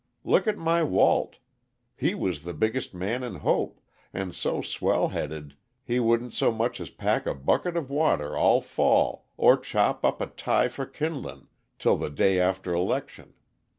Look at my Walt. He was the biggest man in Hope, and so swell headed he wouldn't so much as pack a bucket of water all fall, or chop up a tie for kindlin' till the day after 'lection.